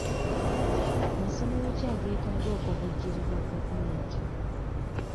Masomero ki ageetaaga okuvujjirirwa gavumenti?